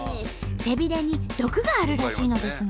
背びれに毒があるらしいのですが。